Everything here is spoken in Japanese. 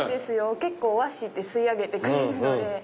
結構和紙って吸い上げてくれるので。